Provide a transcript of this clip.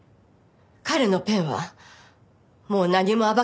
彼のペンはもう何も暴けないでしょう。